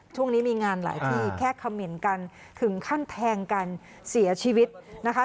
ช่วงนี้มีงานหลายที่แค่เขม่นกันถึงขั้นแทงกันเสียชีวิตนะคะ